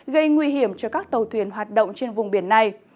gây nguy hiểm cho các tàu thuyền hoạt động trên vùng biển này